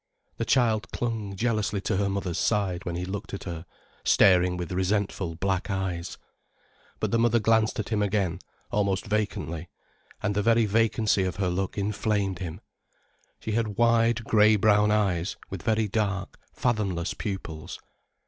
The child clung jealously to her mother's side when he looked at her, staring with resentful black eyes. But the mother glanced at him again, almost vacantly. And the very vacancy of her look inflamed him. She had wide grey brown eyes with very dark, fathomless pupils.